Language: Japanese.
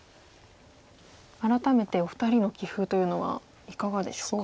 改めてお二人の棋風というのはいかがでしょうか？